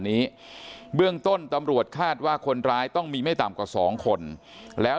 นี้เบื้องต้นตำรวจคาดว่าคนร้ายต้องมีไม่ต่ำกว่า๒คนแล้ว